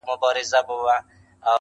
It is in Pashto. پلار یې وکړه ورته ډېر نصیحتونه,